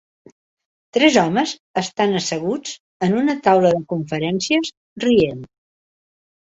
Tres homes estan asseguts en una taula de conferències rient.